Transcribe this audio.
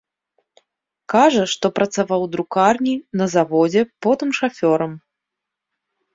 Кажа, што працаваў у друкарні, на заводзе, потым шафёрам.